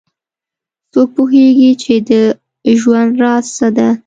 څوک پوهیږي چې د ژوند راز څه ده